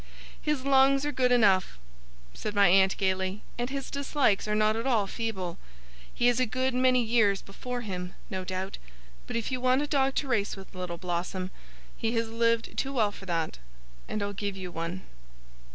'His lungs are good enough,' said my aunt, gaily, 'and his dislikes are not at all feeble. He has a good many years before him, no doubt. But if you want a dog to race with, Little Blossom, he has lived too well for that, and I'll give you one.